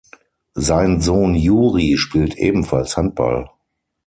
Sein Sohn Juri spielt ebenfalls Handball.